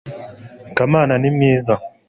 kamana ni mwiza